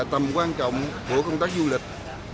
tầm quan trọng của công tác du lịch